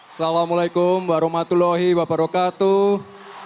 assalamu'alaikum warahmatullahi wabarakatuh